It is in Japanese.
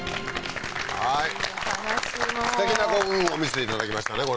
はいすてきなご夫婦を見せていただきましたね